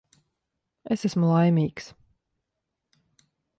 Es esmu laimīgs.